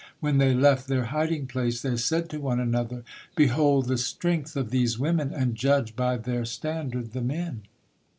When they left their hiding place, they said to one another: "Behold the strength of these women and judge by their standard the men!"